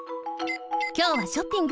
きょうはショッピング。